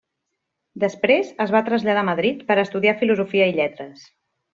Després es va traslladar a Madrid per a estudiar Filosofia i Lletres.